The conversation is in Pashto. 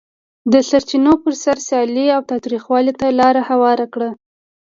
د سرچینو پر سر سیالي تاوتریخوالي ته لار هواره کړه.